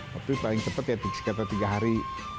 tapi paling cepat ya sekitar tiga hari